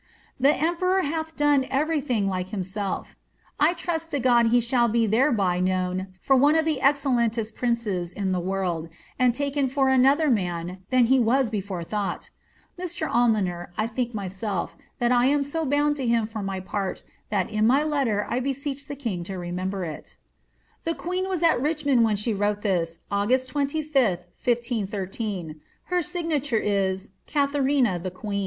The emperor haih done every thing like himsel£ I trust to God he shall be tltereby known for one of the exoellentest princes in the world, and taken for another man than he was before thought. Mr. Almoner, I think myself, that I am so bound to him for my part, that in my letter 1 beseech the king to remember it" The queen was at Richmond when she wrote this, August 25, 1513. Her signature is ^ Ratharina the Qwene.